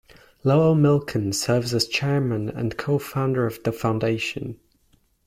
Lowell Milken serves as chairman and co-founder of the foundation.